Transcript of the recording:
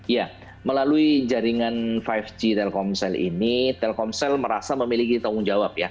ya melalui jaringan lima g telkomsel ini telkomsel merasa memiliki tanggung jawab ya